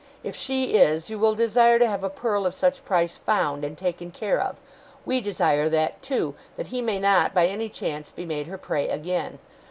If she is, you will desire to have a pearl of such price found and taken care of. We desire that, too; that he may not by any chance be made her prey again.